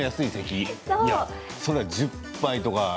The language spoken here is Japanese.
それは１０杯とか。